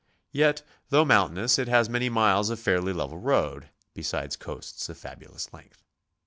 Yet though mountainous, it has many miles of fairly level road, besides coasts of fabu lous length.